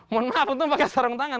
mohon maaf itu pakai sarung tangan